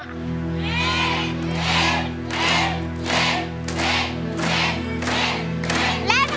เล่น